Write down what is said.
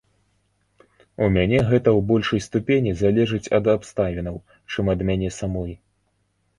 У мяне гэта ў большай ступені залежыць ад абставінаў, чым ад мяне самой.